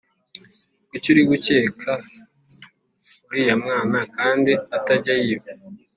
Kuki uri gukeka uriya mwana kandi atajya yiba